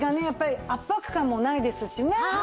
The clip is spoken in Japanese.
やっぱり圧迫感もないですしね。